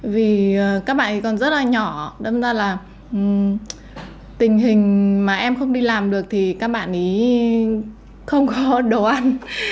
vì các bạn còn rất là nhỏ đâm ra là tình hình mà em không đi làm được thì các bạn ý không khó đồ ăn